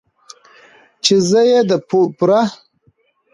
،چې زه يې د پوره